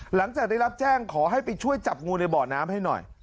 หลังจากได้รับแจ้งขอให้ไปช่วยจับงูในบ่อน้ำให้หน่อย